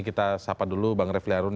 kita sapa dulu bang refli harun